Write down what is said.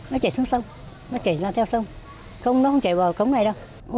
nó chảy xuống sông nó chảy ra theo sông nó không chảy vào cống này đâu